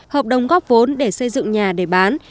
hợp đồng góp vốn để xây dựng nhà để bán